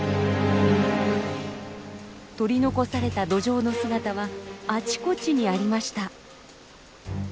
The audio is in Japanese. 取り残されたドジョウの姿はあちこちにありました。